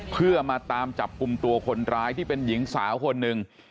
เพื่อมาตามจับกลุ่มตัวคนร้ายที่เป็นหญิงสาวคนหนึ่ง